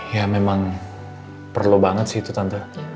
ya memang perlu banget sih itu tanda